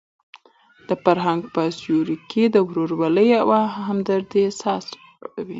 د فرهنګ په سیوري کې د ورورولۍ او همدردۍ احساسات غوړېږي.